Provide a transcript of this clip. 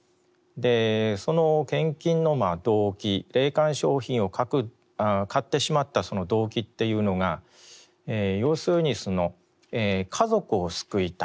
その献金の動機霊感商品を買ってしまったその動機というのが要するに家族を救いたい先祖を救いたい。